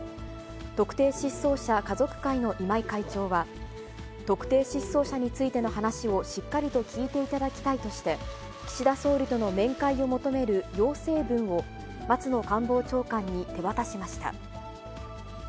特定失踪者家族会の今井会長は、特定失踪者についての話をしっかりと聞いていただきたいとして、岸田総理との面会を求める要請文を、松野官房長官に手渡しました。